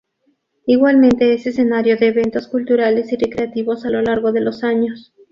Igualmente es escenario de eventos culturales y recreativos a lo largo de los años.